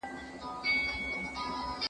د ونو ساتنه وکړئ.